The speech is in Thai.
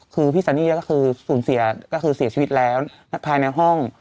คือพี่ซันนี่ก็คือสูญเสียก็คือเสียชีวิตแล้วภายในห้อง